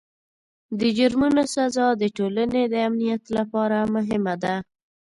د جرمونو سزا د ټولنې د امنیت لپاره مهمه ده.